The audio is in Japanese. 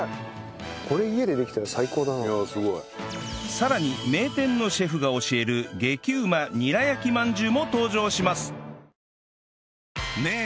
さらに名店のシェフが教える激うまニラ焼き饅頭も登場します